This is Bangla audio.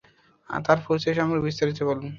তার পরিচয় সম্পর্কে বিস্তারিত বলুন?